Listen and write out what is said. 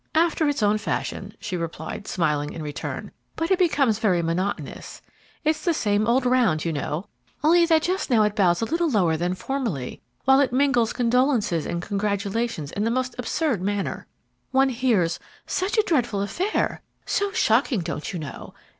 "After its own fashion," she replied, smiling in return; "but it becomes very monotonous. It is the same old round, you know, only that just now it bows a little lower than formerly, while it mingles condolences and congratulations in the most absurd manner. One hears, 'Such a dreadful affair! so shocking, don't you know!'